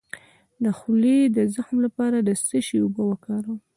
د خولې د زخم لپاره د څه شي اوبه وکاروم؟